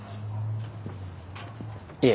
いえ。